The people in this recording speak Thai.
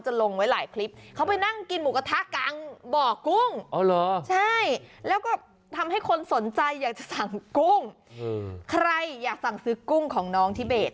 ใช่แล้วก็ทำให้คนสนใจอยากจะสั่งกุ้งใครอยากสั่งซื้อกุ้งของน้องที่เบส